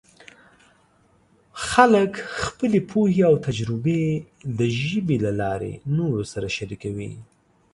خلک خپلې پوهې او تجربې د ژبې له لارې نورو سره شریکوي.